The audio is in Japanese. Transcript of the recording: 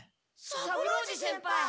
三郎次先輩！